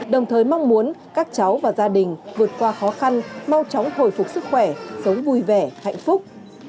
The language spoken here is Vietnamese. đồng thời mong muốn các cháu và gia đình vượt qua khó khăn mau chóng hồi phục sức khỏe sống vui vẻ hạnh phúc